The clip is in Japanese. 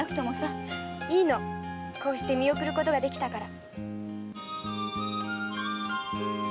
こうして見送ることができたから。